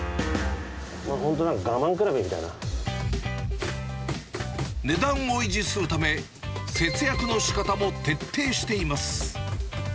本当、値段を維持するため、節約のしかたも徹底しています。